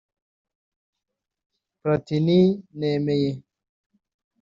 Platini Nemeye